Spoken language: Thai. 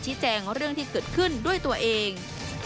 แจ้งเรื่องที่เกิดขึ้นด้วยตัวเอง